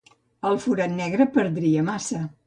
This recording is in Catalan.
El forat negre perdria massa.